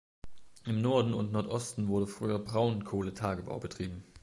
Im Norden und Nordosten wurde früher Braunkohletagebau betrieben.